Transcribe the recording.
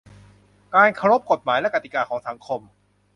การเคารพกฎหมายและกติกาของสังคม